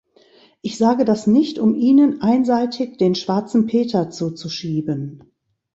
Ich sage das nicht, um Ihnen einseitig den Schwarzen Peter zuzuschieben.